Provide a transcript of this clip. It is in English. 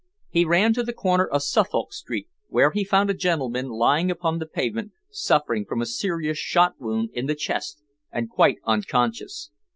He ran to the corner of Suffolk Street, where he found a gentleman lying upon the pavement suffering from a serious shot wound in the chest and quite unconscious.